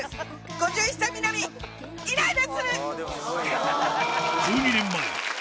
５１歳南イライラする！